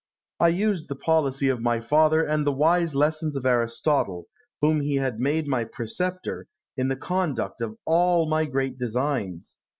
I used the policy of my father and the wise lessons of Aristotle, whom he had made my preceptor, in the conduct of all my great designs.